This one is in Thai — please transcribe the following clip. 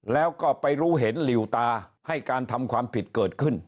แล้วก็ไปรู้เห็นหลิวตาให้การทำความผิดเกิดขึ้น